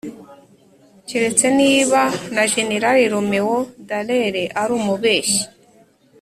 keretse niba na jenerali roméo dallaire ari umubeshyi!